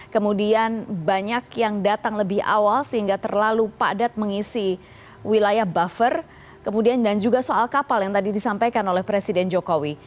kemudian banyak yang datang lebih awal sehingga terlalu padat mengisi wilayah buffer kemudian dan juga soal kapal yang tadi disampaikan oleh presiden jokowi